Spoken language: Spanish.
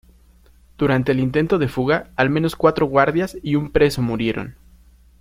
Durante el intento de fuga al menos cuatro guardias y un preso murieron.